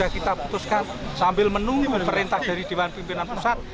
kita putuskan sambil menunggu perintah dari dewan pimpinan pusat